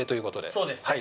そうです。